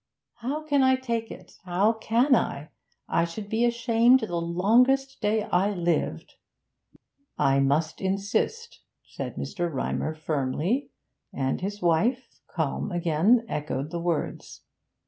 'How can I take it? How can I? I should be ashamed the longest day I lived!' 'I must insist,' said Mr. Rymer firmly; and his wife, calm again, echoed the words.